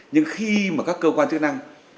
nhưng khi mà các cơ quan chức năng